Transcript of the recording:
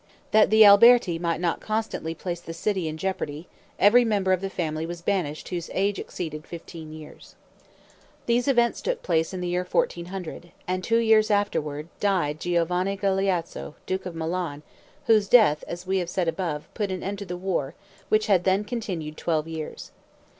That the Alberti might not constantly place the city in jeopardy, every member of the family was banished whose age exceeded fifteen years. These events took place in the year 1400, and two years afterward, died Giovanni Galeazzo, duke of Milan, whose death as we have said above, put an end to the war, which had then continued twelve years.